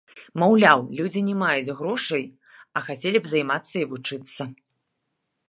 Маўляў, людзі не маюць грошай, а хацелі б займацца і вучыцца.